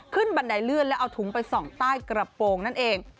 บันไดเลื่อนแล้วเอาถุงไปส่องใต้กระโปรงนั่นเอง